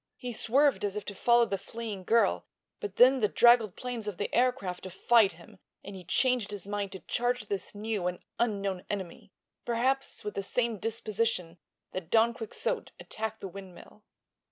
He swerved as if to follow the fleeing girl, but then the draggled planes of the aircraft defied him and he changed his mind to charge this new and unknown enemy—perhaps with the same disposition that Don Quixote attacked the windmill.